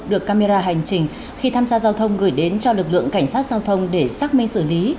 được camera hành trình khi tham gia giao thông gửi đến cho lực lượng cảnh sát giao thông để xác minh xử lý